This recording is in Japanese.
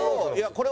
これ。